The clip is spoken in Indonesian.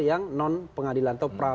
yang non pengadilan atau